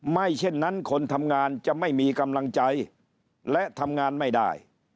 เช่นนั้นคนทำงานจะไม่มีกำลังใจและทำงานไม่ได้